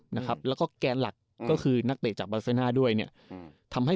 นะครับแล้วก็แกนหลักก็คือนักเตะจากบาเซน่าด้วยเนี่ยอืมทำให้